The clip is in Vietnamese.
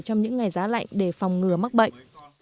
trong những ngày giá lạnh để phòng ngừa mắc bệnh